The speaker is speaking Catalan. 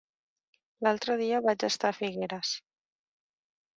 L'altre dia vaig estar a Figueres.